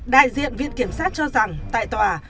đại diện viện kiểm sát cho rằng tại tòa